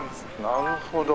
なるほど。